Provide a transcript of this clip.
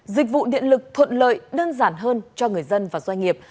dịch vụ điện lực thuận lợi đơn giản hơn cho người dân và doanh nghiệp